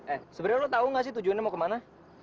eh sebenernya lo tau gak sih tujuannya mau kemana